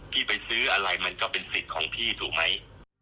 ไปซื้ออะไรมันก็เป็นสิทธิ์ของพี่ถูกไหม